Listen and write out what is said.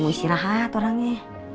mau istirahat orangnya